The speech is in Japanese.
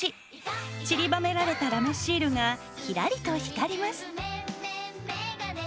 ちりばめられたラメシールがキラリと光ります。